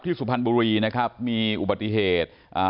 สุพรรณบุรีนะครับมีอุบัติเหตุอ่า